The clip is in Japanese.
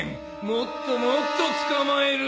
もっともっと捕まえる。